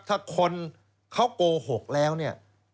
ถ้าคนเขาโกหกแล้วเนี่ย